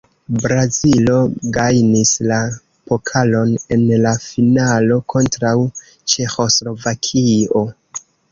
Brazilo gajnis la pokalon en la finalo kontraŭ Ĉeĥoslovakio.